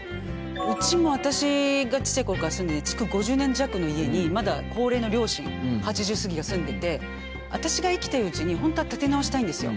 うちも私がちっちゃい頃から住んでて築５０年弱の家にまだ高齢の両親８０過ぎが住んでて私が生きてるうちに本当は建て直したいんですよ。